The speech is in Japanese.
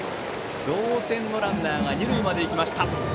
同点のランナーが二塁まで行きました。